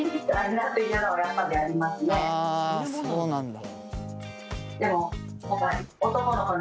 あそうなんだ。